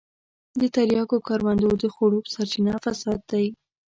د تریاکو کروندو د خړوب سرچينه فساد دی.